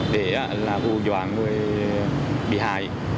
để là ưu doan người bị hại